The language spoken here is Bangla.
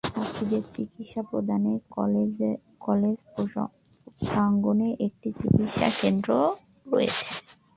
ছাত্রীদের চিকিৎসা প্রদানে কলেজ প্রাঙ্গনে একটি চিকিৎসা কেন্দ্র রয়েছে।